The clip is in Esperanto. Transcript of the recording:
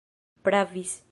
pravis